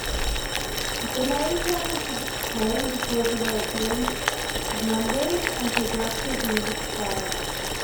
The name change came because of a change of members and progressive musical styling.